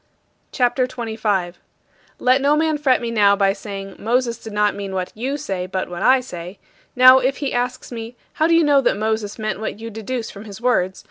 CHAPTER XXV 34. Let no man fret me now by saying, "Moses did not mean what you say, but what I say." Now if he asks me, "How do you know that Moses meant what you deduce from his words?"